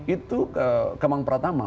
itu kemang pertama